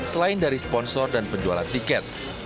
selain dari sponsor dan penjualan tiket